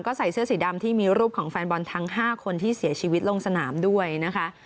ก็ใส่เสื้อสีดำที่มีรูปของแฟนบอลทั้ง๕คนที่เสียชีวิตลงสนามด้วยนะคะ